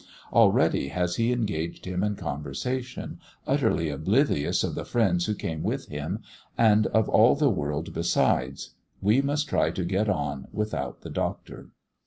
Already has he engaged him in conversation, utterly oblivious of the friends who came with him, and of all the world besides. We must try to get on without the Doctor.